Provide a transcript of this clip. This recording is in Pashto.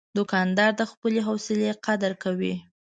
دوکاندار د خپلې حوصلې قدر کوي.